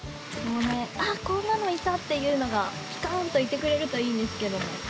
あっこんなのいたっていうのがピカンといてくれるといいんですけど。